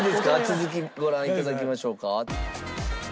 続きご覧頂きましょうか。